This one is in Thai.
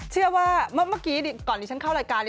เชื่อว่าเมื่อกี้ก่อนที่ฉันเข้ารายการ